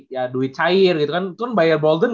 ya duit cair gitu kan itu kan bayar bolden